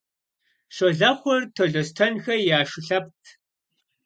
Щолэхъур Талъостэнхэ я шы лъэпкът.